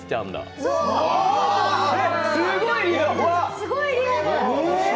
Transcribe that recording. すごいリアル。